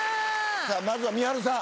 さあまずはみはるさん。